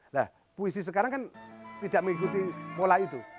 nah puisi sekarang kan tidak mengikuti pola itu